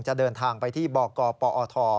จะเดินทางไปที่บกปอท